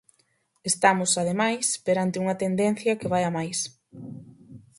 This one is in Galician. Estamos, ademais, perante unha tendencia que vai a máis.